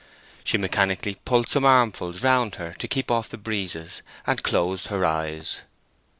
She mechanically pulled some armfuls round her to keep off the breezes, and closed her eyes.